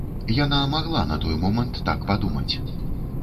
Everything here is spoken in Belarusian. Яна магла на той момант так падумаць.